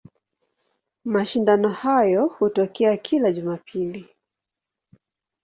Mashindano hayo hutokea kila Jumapili.